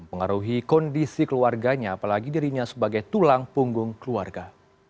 pengaruhi kondisi keluarganya apalagi dirinya sebagai tulang punggung keluarga